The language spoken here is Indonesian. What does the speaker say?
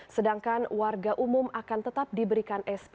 sedangkan warga umum akan tetap diberikan sp